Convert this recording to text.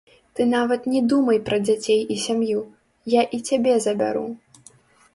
Ты нават не думай пра дзяцей і сям'ю, я і цябе забяру.